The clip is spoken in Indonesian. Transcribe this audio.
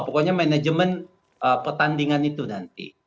pokoknya manajemen pertandingan itu nanti